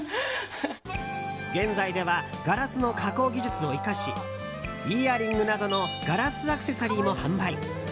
現在ではガラスの加工技術を生かしイヤリングなどのガラスアクセサリーも販売。